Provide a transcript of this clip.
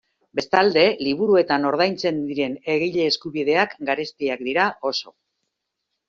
Bestalde, liburuetan ordaintzen diren egile eskubideak garestiak dira oso.